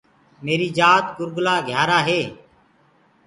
ميريٚ جات گُرگُلا(گهيارآ) هي۔